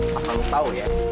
masa lu tahu ya